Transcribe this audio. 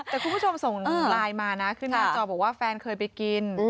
แต่คุณผู้ชมส่งไลน์มานะขึ้นหน้าจอบอกว่าแฟนเคยไปกิน